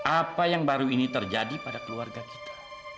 apa yang baru ini terjadi pada keluarga kita